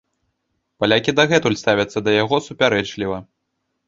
Палякі дагэтуль ставяцца да яго супярэчліва.